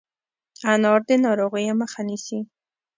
انار د ناروغیو مخه نیسي.